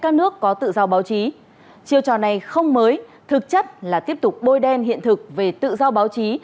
các nước có tự do báo chí chiêu trò này không mới thực chất là tiếp tục bôi đen hiện thực về tự do báo chí